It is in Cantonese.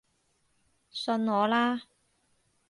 信我啦